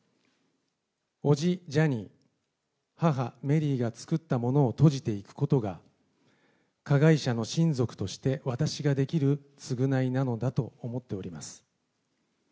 叔父、ジャニー、母、メリーが作ったものを閉じていくことが、加害者の親族として、私ができる償いなのだと思っております。